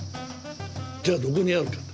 じゃあどこにあるかと。